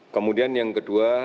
kemudian yang kedua